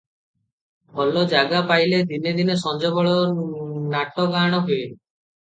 ଭଲ ଜାଗା ପାଇଲେ ଦିନେ ଦିନେ ସଞବେଳେ ନାଟ ଗାଆଣ ହୁଏ ।